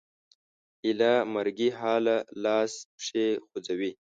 ایله مرګي حاله لاس پښې خوځوي